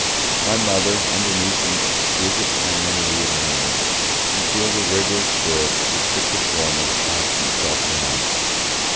My Mother, underneath an exquisite amenity of manner, concealed a rigour of spirit which took the form of a constant self denial.